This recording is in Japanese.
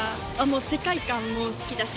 世界観も好きだし